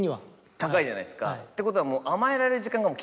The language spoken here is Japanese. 高いじゃないですかってことはもう。